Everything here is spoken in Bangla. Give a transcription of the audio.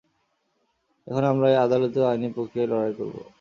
এখন আমরা আদালতে আইনি প্রক্রিয়ায় লড়াই করব।